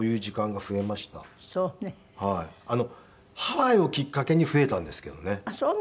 ハワイをきっかけに増えたんですけどね。